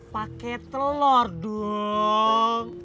pakai telor dong